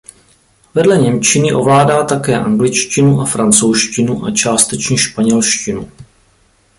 Vedle němčiny ovládá také angličtinu a francouzštinu a částečně španělštinu.